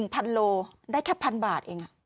๑ตัน๑๐๐๐โลได้แค่๑๐๐๐บาทเอง